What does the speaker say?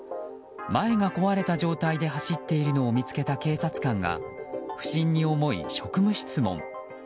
前が壊れた状態で走っているのを見つけた警察官が不審に思い職務質問。